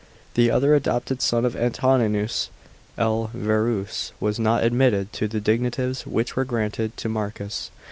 The other adopted son of Antoninus, L. Verus, was not admitted to the dignities which were granted to Marcus.